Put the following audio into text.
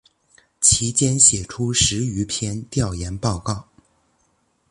其间写出十余篇调研报告。